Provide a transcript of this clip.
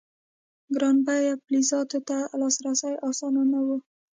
ګران بیه فلزاتو ته لاسرسی اسانه نه و.